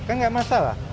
kan enggak masalah